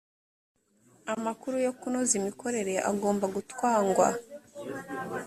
amakuru yo kunoza imikorere agomba gutwangwa